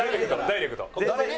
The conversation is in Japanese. ダイレクト。